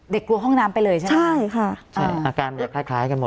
เด็กกลัวห้องน้ำไปเลยใช่ไหมใช่ค่ะอาการคล้ายกันหมด